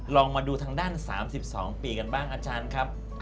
ลองมาดูทางด้าน๓๒ปีกันบ้างอาจารย์ครับ